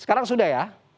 sekarang sudah ya